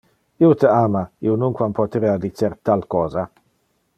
"Io te ama", io nunquam poterea dicer tal cosa.